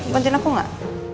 bantuin aku gak